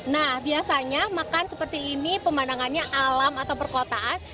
nah biasanya makan seperti ini pemandangannya alam atau perkotaan